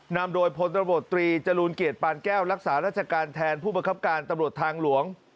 นำโดยพลตำรวจตรีจรูลเกียรติปานแก้วรักษาราชการแทนผู้บังคับการตำรวจทางหลวง